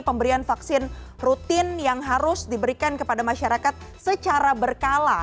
pemberian vaksin rutin yang harus diberikan kepada masyarakat secara berkala